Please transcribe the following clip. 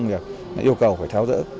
yêu cầu phải tháo rỡ